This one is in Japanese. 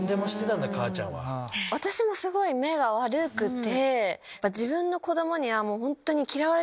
私もすごい目が悪くて。